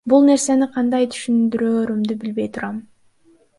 Бул нерсени кандай түшүндүрөөрүмдү билбей турам.